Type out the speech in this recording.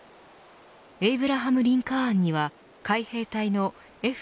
エイブラハム・リンカーンには海兵隊のＦ‐３５